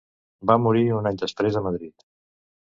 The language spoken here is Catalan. Va morir un any després a Madrid.